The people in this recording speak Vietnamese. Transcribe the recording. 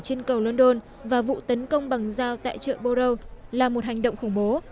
trên cầu london và vụ tấn công bằng dao tại chợ boro là một hành động khủng bố